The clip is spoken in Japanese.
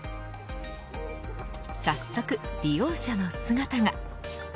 早速利用者の姿が。